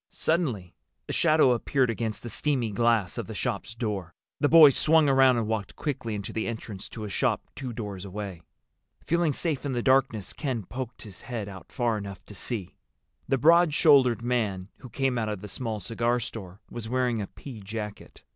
Suddenly a shadow appeared against the steamy glass of the shop's door. The boys swung around and walked quickly into the entrance to a shop two doors away. Feeling safe in the darkness, Ken poked his head out far enough to see. The broad shouldered man who came out of the small cigar store was wearing a pea jacket.